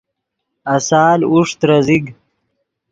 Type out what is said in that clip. آسال اوݰ ترے زیگ